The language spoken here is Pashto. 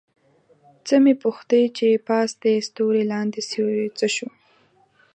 څه مې پوښتې چې پاس دې ستوری لاندې سیوری څه شو؟